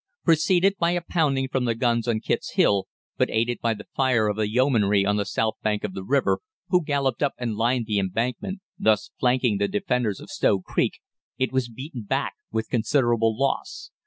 Preceded by a pounding from the guns on Kit's Hill, but aided by the fire of the Yeomanry on the south bank of the river, who galloped up and lined the embankment, thus flanking the defenders of Stow Creek, it was beaten back with considerable loss.